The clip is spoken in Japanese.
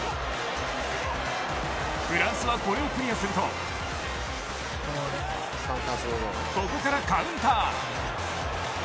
フランスはこれをクリアするとここからカウンター。